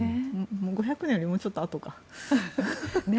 ５００年よりもちょっとあとか。